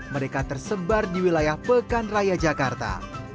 mereka tersebar di wilayah pekan raya jakarta